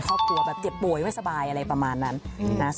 เรื่องของโชคลาบนะคะ